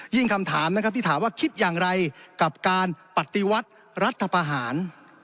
คำถามนะครับที่ถามว่าคิดอย่างไรกับการปฏิวัติรัฐประหาร